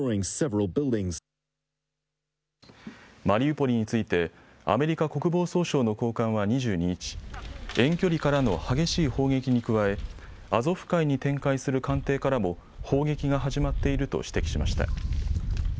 マリウポリについてアメリカ国防総省の高官は２２日、遠距離からの激しい砲撃に加えアゾフ海に展開する艦艇からも砲撃が始まっていると指摘しました。